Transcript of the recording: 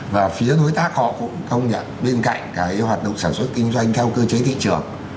và phía đối tác họ cũng công nhận bên cạnh cái hoạt động sản xuất kinh doanh theo cơ chế thị trường